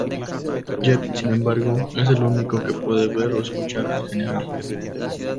Jeb, sin embargo, es el único que puede ver o escuchar al General.